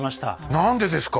何でですか。